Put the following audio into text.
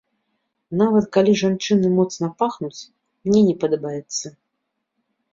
Нават калі жанчыны моцна пахнуць, мне не падабаецца.